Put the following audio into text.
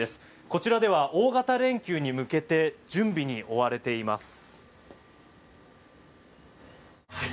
こちらでは大型連休に向けて準備に追われています。